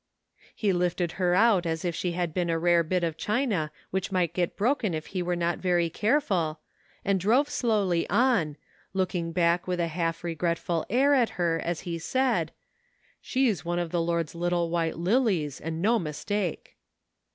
He lifted her out as if she had been a rare bit of china which might get broken if he were not very careful, and drove slowly on, looking back with a half regretful air at her as he said, " She's one of the Lord's little white lilies, and no mistake."